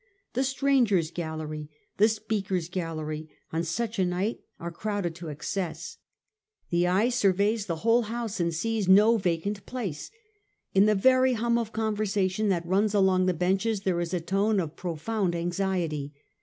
The strangers' gallery, the Speaker's gallery on such a Bight are crowded to excess. The eye surveys the 1840. TIIE ADDKESS. 379 whole House and sees no vacant place. In the very hum of conversation that runs along the benches there is a tone of profound anxiety.